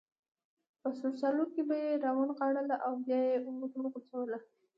په سور سالو کې به یې را ونغاړله او بیا به یې وروغورځوله.